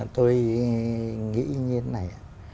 tôi nghĩ như thế này